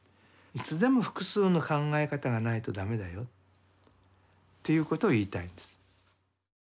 いつでも複数の考え方がないとダメだよっていうことを言いたいんです。